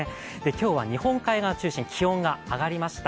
今日は日本海側中心、気温が上がりました。